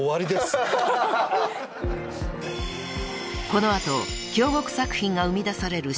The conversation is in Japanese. ［この後京極作品が生み出される書斎に潜入！］